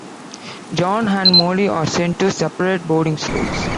John and Molly are sent to separate boarding schools.